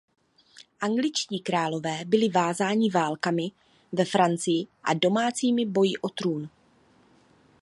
Angličtí králové byli vázáni válkami ve Francii a domácími boji o trůn.